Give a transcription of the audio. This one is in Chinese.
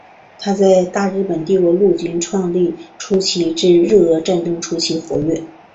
他在大日本帝国陆军创立初期至日俄战争期间活跃。